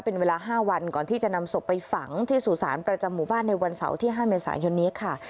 เป็นเวลา๕วันก่อนที่จะนำศพไปฝังที่สู่สารประจำหมู่บ้านในวันเสาร์ที่๕เมษายนนี้ค่ะ